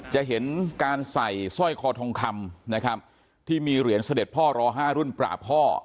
จะเห็นการใส่ซ่อยขอทองคำที่มีเหรียญเสด็จพ่อร้อ๕รุ่นปราปพ่อ